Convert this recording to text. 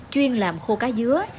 chuyên làm khô cá dứa